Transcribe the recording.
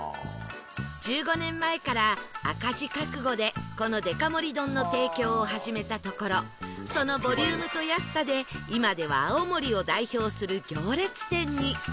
１５年前から赤字覚悟でこのデカ盛り丼の提供を始めたところそのボリュームと安さで今では青森を代表する行列店に